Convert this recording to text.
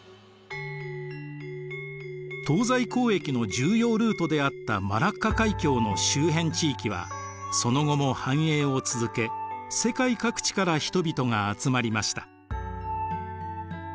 東西交易の重要ルートであったマラッカ海峡の周辺地域はその後も繁栄を続け世界各地から人々が集まりました。